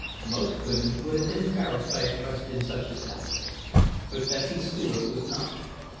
Most women would have been embarrassed by a question such as that. But Bessie Stuart was not.